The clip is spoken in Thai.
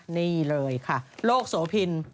นี่เลยค่ะโลกโสพิน